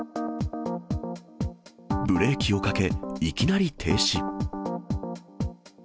ブレーキをかけ、いきなり停止。